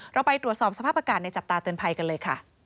เราไปตรวจสอบสภาพประกาศในจับตาเติร์นภัยกันเลย